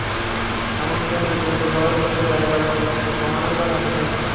এমনকি আমার চিত্রনাট্য পড়ার পেছনে ব্যয় করার মতো সময়ও তাঁর হাতে নেই।